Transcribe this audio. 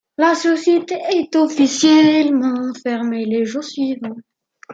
La société est officiellement fermée les jours suivants.